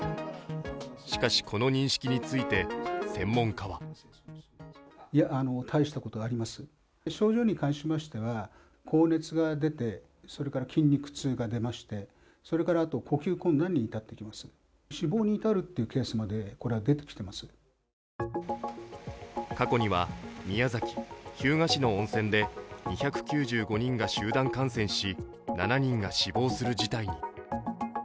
しかし、この認識について専門家は過去には、宮崎・日向市の温泉で２９５人が集団感染し７人が死亡する事態に。